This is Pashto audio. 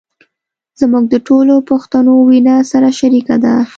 زموږ د ټولو پښتنو وينه سره شریکه ده.